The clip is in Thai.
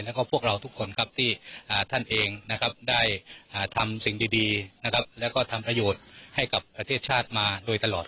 และก็ที่พวกเราทุกคนที่ท่านเองได้ทำสิ่งดีและก็ทำประโยชน์ให้กับประเทศชาติมาโดยตลอด